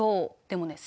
でもね